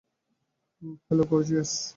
Hello, gorgeous.